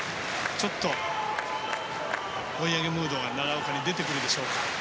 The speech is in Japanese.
ちょっと追い上げムードが奈良岡に出てくるでしょうか。